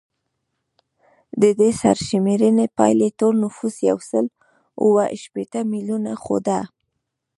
د دې سرشمېرنې پایلې ټول نفوس یو سل اووه شپیته میلیونه ښوده